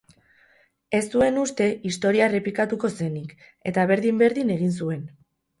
Ez zuen uste historia errepikatuko zenik, eta berdin-berdin egin zuen.